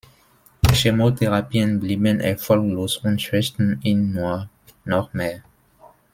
Chemotherapien blieben erfolglos und schwächten ihn nur noch mehr.